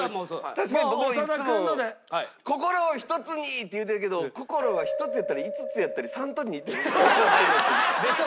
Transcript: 確かに僕もいつも「心をひとつに！」って言うてるけど心が１つやったり５つやったり３と２って。でしょ？